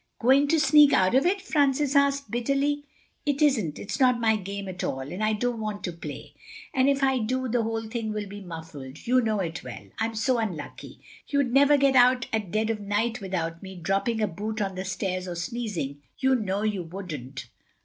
"Going to sneak out of it?" Francis asked bitterly. "It isn't. It's not my game at all, and I don't want to play. And if I do, the whole thing will be muffed—you know it will. I'm so unlucky. You'd never get out at dead of night without me dropping a boot on the stairs or sneezing—you know you wouldn't."